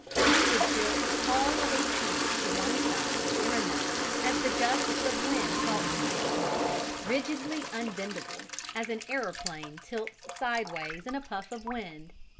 He would tilt all of a piece to one side or another as the gusts of wind caught him: rigidly unbendable, as an aeroplane tilts sideways in a puff of wind.